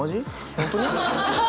本当に？